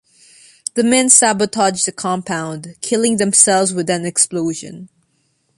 The men sabotage the compound, killing themselves with an explosion.